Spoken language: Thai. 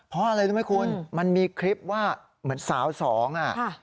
เพราะอะไรรู้ไหมคุณมันมีคลิปว่าเหมือนสาวสองอ่ะ